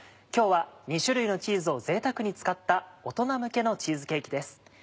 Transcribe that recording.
今日は２種類のチーズをぜいたくに使った大人向けのチーズケーキです。